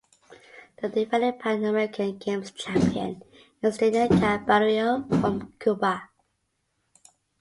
The defending Pan American Games champion is Denia Caballero from Cuba.